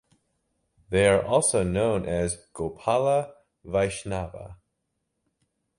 They are also known as Gopala Vaishnava.